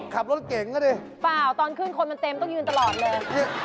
ขับรถเก่งก็ดิเปล่าตอนขึ้นคนมันเต็มต้องยืนตลอดเลย